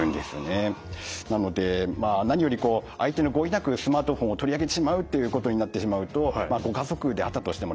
なので何より相手の合意なくスマートフォンを取りあげてしまうっていうことになってしまうとご家族であったとしてもですね